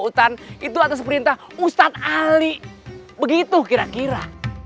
hutan itu atas perintah ustadz ali begitu kira kira